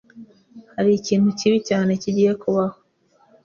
Hariho ikintu kibi cyane kigiye kubaho.